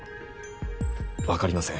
わかりません。